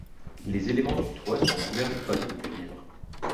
Les éléments du toit sont recouverts de panneaux de cuivre.